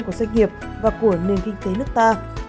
của doanh nghiệp và của nền kinh tế nước ta